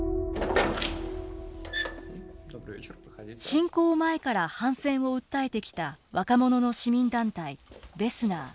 侵攻前から反戦を訴えてきた若者の市民団体ベスナー。